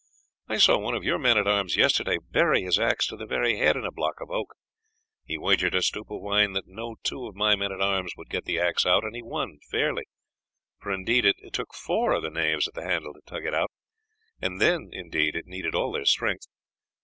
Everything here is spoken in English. I saw one of your men at arms yesterday bury his axe to the very head in a block of oak; he wagered a stoup of wine that no two of my men at arms would get the axe out, and he won fairly, for indeed it took four of the knaves at the handle to tug it out, and then indeed it needed all their strength.